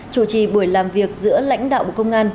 chủ trì buổi làm việc giữa lãnh đạo bộ công an